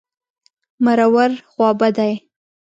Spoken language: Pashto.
مرور... خوابدی.